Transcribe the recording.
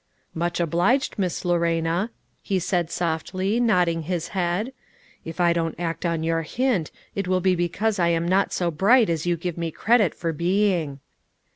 "Much obliged, Miss Lorena," he said softly, nodding his head. "If I don't act on your hint, it will be because I am not so bright as you give me credit for being."